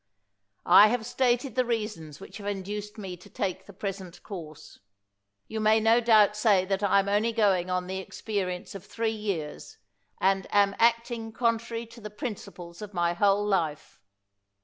I have stated the reasons which have induced me to take the present course. You may no doubt say that I am only going on the experience of three years and am acting contrary to the principles of my whole life.